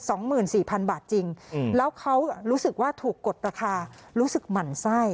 สองหมื่นสี่พันบาทจริงอืมแล้วเขารู้สึกว่าถูกกดราคารู้สึกหมั่นไส้